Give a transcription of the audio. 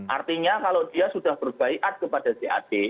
artinya kalau dia sudah berbaikat kepada jad